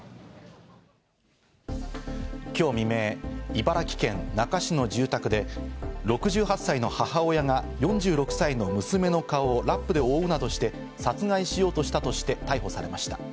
今日未明、茨城県那珂市の住宅で６８歳の母親が４６歳の娘の顔をラップで覆うなどして、殺害しようとしたとして逮捕されました。